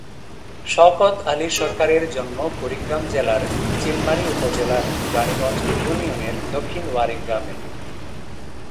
শওকত আলী সরকারের জন্ম কুড়িগ্রাম জেলার চিলমারী উপজেলার রানীগঞ্জ ইউনিয়নের দক্ষিণ ওয়ারী গ্রামে।